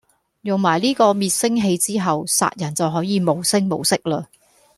用埋呢個滅聲器之後，殺人就可以無聲無息喇